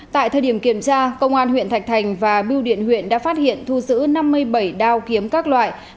tại thời điểm kiểm tra công an huyện thạch thành và biêu điện huyện đã phát hiện thu giữ năm mươi bảy đao kiếm các loại